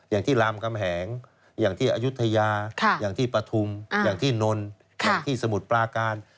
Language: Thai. อย่างที่รามกำแหงอย่างที่อายุทยาอย่างที่ปฐุมอย่างที่นนอย่างที่สมุทรปลาการ